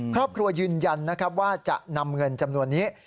ครอบครัวยืนยันว่าจะนำเงินจำนวนนี้